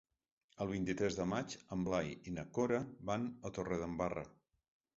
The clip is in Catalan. El vint-i-tres de maig en Blai i na Cora van a Torredembarra.